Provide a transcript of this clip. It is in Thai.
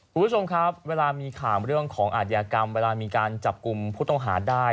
คุณผู้ชมครับเวลามีข่าวเรื่องของอาทยากรรมเวลามีการจับกลุ่มผู้ต้องหาได้